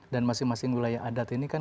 dan masing masing wilayah adat ini kan